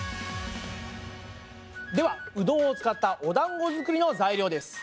ではうどんを使ったおだんご作りの材料です！